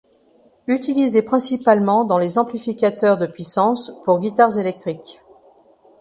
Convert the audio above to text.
Utilisé principalement dans les amplificateurs de puissance pour guitares électriques.